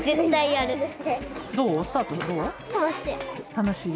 楽しい？